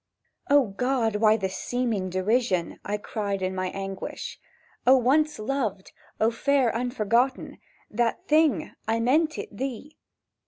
"O God, why this seeming derision!" I cried in my anguish: "O once Loved, O fair Unforgotten— That Thing—meant it thee!